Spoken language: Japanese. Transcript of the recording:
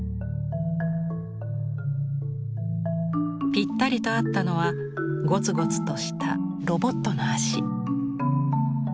ピッタリと合ったのはゴツゴツとしたロボットの足。